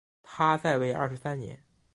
他在位二十三年。